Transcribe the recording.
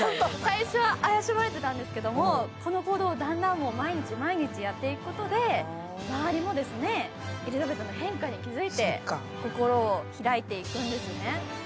最初は怪しまれてたんですけどこの行動を毎日やることで周りもエリザベトの変化に気付いて心を開いていくんですね。